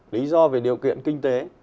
lý do về điều kiện kinh tế